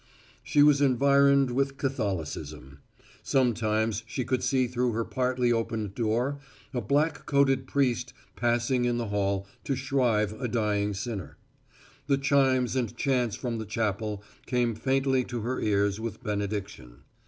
She was environed with Catholicism. Sometimes she could see through her partly opened door a black coated priest passing in the hall to shrive a dying sinner. The chimes and chants from the chapel came faintly to her ears with benediction.